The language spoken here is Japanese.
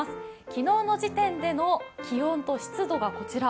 昨日の時点での気温と湿度がこちら。